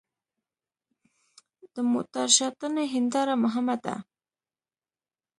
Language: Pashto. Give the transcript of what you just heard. د موټر شاتنۍ هېنداره مهمه ده.